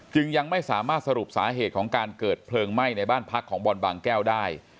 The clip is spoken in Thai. ยังไม่สามารถสรุปสาเหตุของการเกิดเพลิงไหม้ในบ้านพักของบอลบางแก้วได้